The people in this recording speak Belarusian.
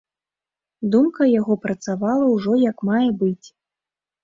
Думка яго працавала ўжо як мае быць.